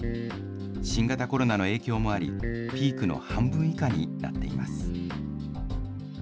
新型コロナの影響もあり、ピークの半分以下になっています。